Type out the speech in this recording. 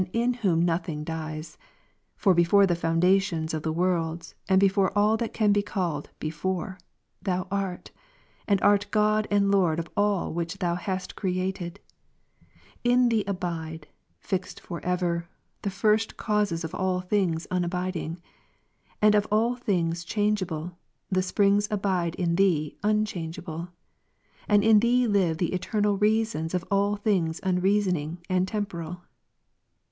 in whom nothing dies : for before the foundation of the worlds, and before all that can be called " before," Thou art, and art God and Lord of all which Thou hast created : in Thee abide, fixed for ever, the first causes of all things unabiding; and of all things change able, the springs abide in Thee unchangeable ; and in Thee live the eternal reasons of all things unreasoning and tem poral.